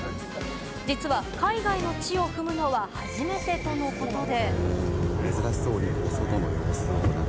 実は海外の地を踏むのは初めてとのことで。